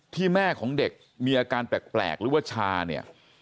แม่ของเด็กมีอาการแปลกหรือว่าชาเนี่ย